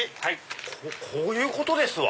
こういうことですわ。